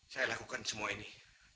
saya lakukan semua ini